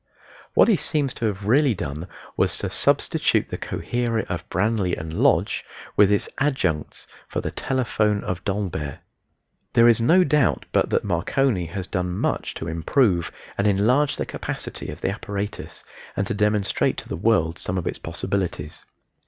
What he seems to have really done was to substitute the coherer of Branly and Lodge, with its adjuncts, for the telephone of Dolbear. There is no doubt but that Marconi has done much to improve and enlarge the capacity of the apparatus and to demonstrate to the world some of its possibilities.